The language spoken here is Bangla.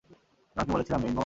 তোমাকে বলেছিলাম, রেইনবো।